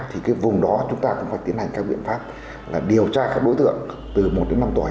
thì cái vùng đó chúng ta cũng phải tiến hành các biện pháp là điều tra các đối tượng từ một đến năm tuổi